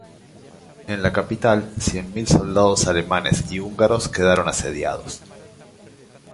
En la capital, cien mil soldados alemanes y húngaros quedaron asediados.